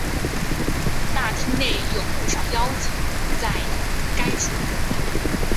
大厅内有不少妖精在该处工作。